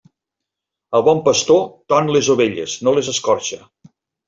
El bon pastor ton les ovelles, no les escorxa.